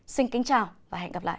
xin kính chào và hẹn gặp lại